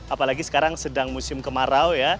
apalagi sekarang sedang musim kemarau ya